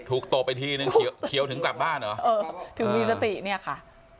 ตบไปทีนึงเขียวถึงกลับบ้านเหรอเออถึงมีสติเนี่ยค่ะ